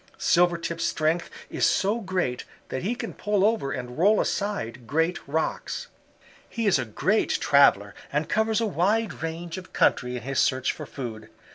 Silvertip's strength is so great that he can pull over and roll aside great rocks. "He is a great traveler and covers a wide range of country in his search for food.